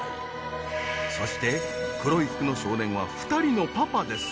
そして黒い服の少年は２人のパパです。